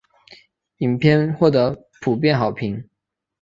影片获得普遍好评。